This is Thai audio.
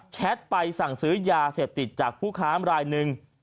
ไปสั่งซื้อยาเสพติดจากผู้ค้ามรายหนึ่ง